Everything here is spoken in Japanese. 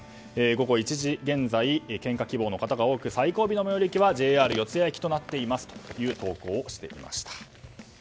午後１時現在献花希望の方が多く最後尾の最寄り駅はＪＲ四ツ谷駅となっておりますという投稿をしていました。